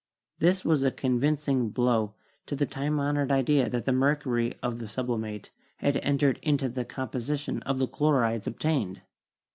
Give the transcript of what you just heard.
This was a convincing blow to the time honored 80 CHEMISTRY idea that the mercury of the sublimate had entered into the composition of the chlorides obtained.